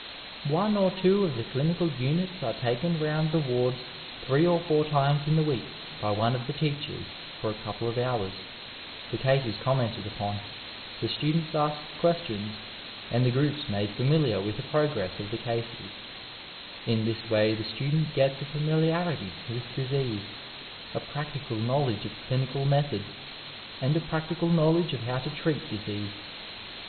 One or two of the clinical units are taken round the wards three or four times in the week by one of the teachers for a couple of hours, the cases commented upon, the students asked questions and the groups made familiar with the progress of the cases; Tn this way the student gets a familiarity with disease, a practical know ledge of clinical methods and a practical knowledge of how to treat disease.